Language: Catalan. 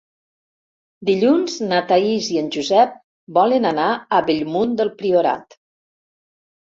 Dilluns na Thaís i en Josep volen anar a Bellmunt del Priorat.